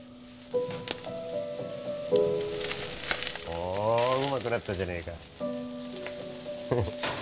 おおうまくなったじゃねえか